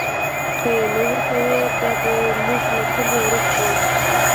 که یې نه ورکوئ، دا به موږ له کلي ورک کړي.